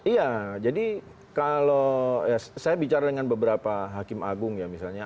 iya jadi kalau saya bicara dengan beberapa hakim agung ya misalnya